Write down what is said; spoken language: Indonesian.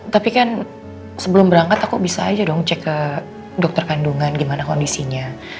tapi kan sebelum berangkat aku bisa aja dong cek ke dokter kandungan gimana kondisinya